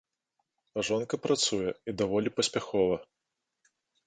А жонка працуе і даволі паспяхова.